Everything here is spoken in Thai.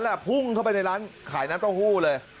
พุ่งเข้าไปในร้านขายน้ำเต้าหู้เลย